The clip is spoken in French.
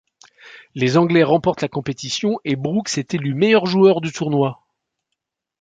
Les Anglais remportent la compétition et Brooks est élu meilleur joueur du tournoi.